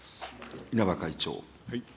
稲葉会長。